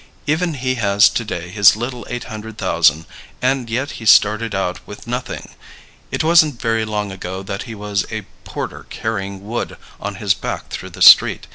Even he has to day his little eight hundred thousand, and yet he started out with nothing. It wasn't very long ago that he was a porter carrying wood on his back through the street.